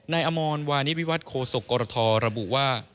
อมรวานิวิวัตรโคศกรทระบุว่า